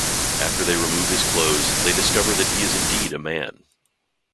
After they remove his clothes, they discover that he is indeed a man.